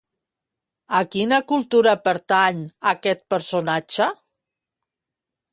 A quina cultura pertany aquest personatge?